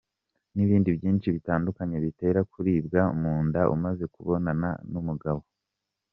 n’ibindi byinshi bitandukanye bitera kuribwa mu nda umaze kubonana n’umugabo.